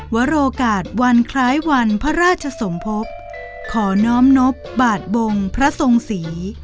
วโรกาศวันคล้ายวันพระราชสมภพขอน้อมนบบาทบงพระทรงศรี